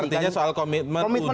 artinya soal komitmen